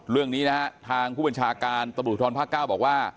เรื่องนี้นะฮะทางผู้บัญชาการตำรวจภูทรภาค๙บอกว่า